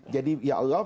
jadi ya allah